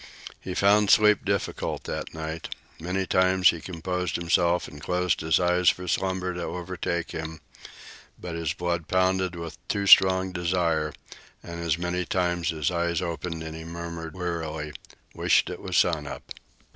He found sleep difficult that night. Many times he composed himself and closed his eyes for slumber to overtake him; but his blood pounded with too strong desire, and as many times his eyes opened and he murmured wearily, "Wisht it was sun up."